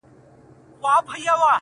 د پسونوتر زړو ویني څڅېدلې!.